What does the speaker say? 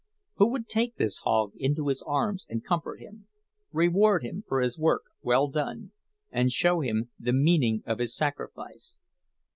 Who would take this hog into his arms and comfort him, reward him for his work well done, and show him the meaning of his sacrifice?